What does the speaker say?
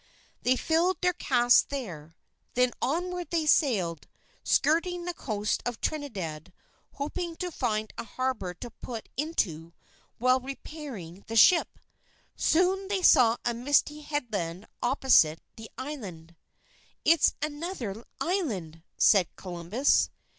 They filled their casks there. Then onward they sailed, skirting the coast of Trinidad, hoping to find a harbour to put into while repairing the ships. Soon, they saw a misty headland opposite the island. "It is another island," said Columbus.